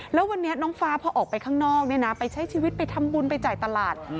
แล้ววันนี้น้องฟ้าพอออกไปข้างนอกไปใช้ชีวิตไปทำบุญไปจ่ายตลาด